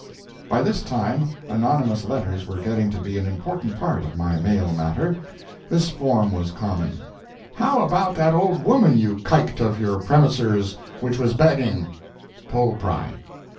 ] By this time anonymous letters were getting to be an important part of my mail matter. This form was common: How about that old woman you kiked of your premisers which was beging. POL PRY.